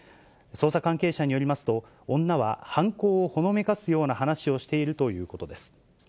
捜査関係者によりますと、女は犯行をほのめかすような話をしているということです。